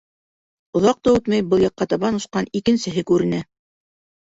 Оҙаҡ та үтмәй был яҡҡа табан осҡан икенсеһе күренә.